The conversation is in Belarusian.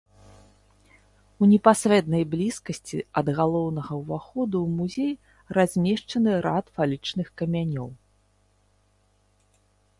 У непасрэднай блізкасці ад галоўнага ўваходу ў музей размешчаны рад фалічных камянёў.